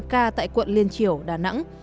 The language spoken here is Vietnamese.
một ca tại quận liên triểu đà nẵng